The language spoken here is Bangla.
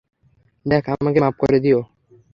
জ্যাক, আমাকে মাফ করে দিও।